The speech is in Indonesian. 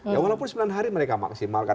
ya walaupun sembilan hari mereka maksimal kan